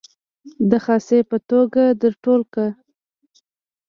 د خاصې په توګه در ټول کړه.